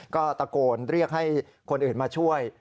ก็ตะโกนเรียกให้คนอื่นมาช่วย